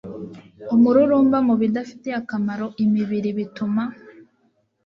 umururumba mu bidafitiye akamaro imibiri bituma